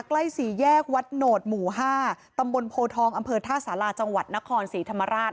ใกล้สี่แยกวัดโหนดหมู่๕ตำบลโพทองอำเภอท่าสาราจังหวัดนครศรีธรรมราช